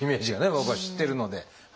僕は知ってるので。